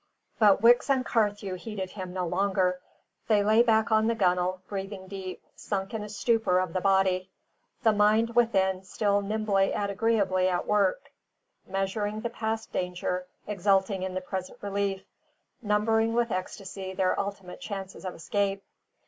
But Wicks and Carthew heeded him no longer. They lay back on the gunnel, breathing deep, sunk in a stupor of the body: the mind within still nimbly and agreeably at work, measuring the past danger, exulting in the present relief, numbering with ecstasy their ultimate chances of escape.